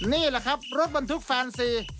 นี่แหละครับรถบรรทุกแฟนซี